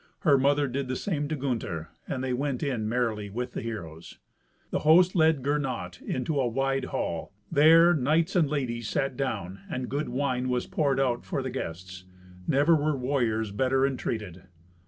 Her mother did the same to Gunther, and they went in merrily with the heroes. The host led Gernot into a wide hall. There knights and ladies sat down, and good wine was poured out for the guests. Never were warriors better entreated.